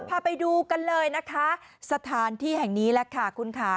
พาไปดูกันเลยนะคะสถานที่แห่งนี้แหละค่ะคุณค่ะ